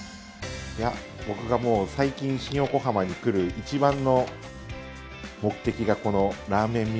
僕が最近新横浜に来る一番の目的がこのらーめん味